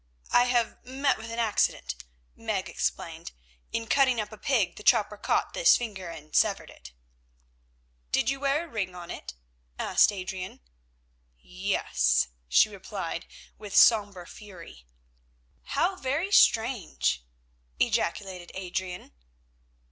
"I have met with an accident," Meg explained. "In cutting up a pig the chopper caught this finger and severed it." "Did you wear a ring on it?" asked Adrian. "Yes," she replied, with sombre fury. "How very strange!" ejaculated Adrian.